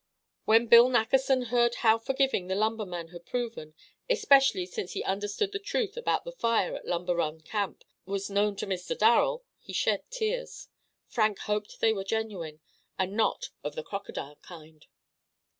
When Bill Nackerson heard how forgiving the lumberman had proven, especially since he understood how the truth about the fire at Lumber Run Camp was known to Mr. Darrel, he shed tears. Frank hoped they were genuine, and not of the crocodile kind.